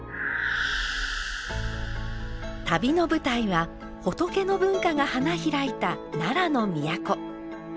旅の舞台は仏の文化が花開いた奈良の都。